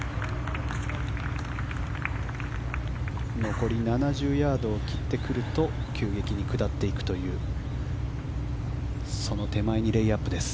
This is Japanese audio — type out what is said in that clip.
残り７０ヤードを切ってくると急激に下っていくというその手前にレイアップです。